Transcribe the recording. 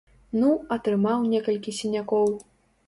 Ну, атрымаў некалькі сінякоў.